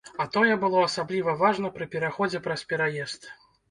А тое было асабліва важна пры пераходзе праз пераезд.